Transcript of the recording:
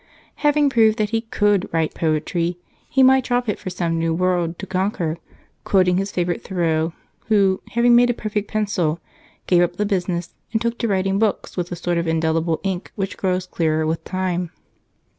Having proved that he could write poetry, he might drop it for some new world to conquer, quoting his favorite Thoreau, who, having made a perfect pencil, gave up the business and took to writing books with the sort of indelible ink which grows clearer with time.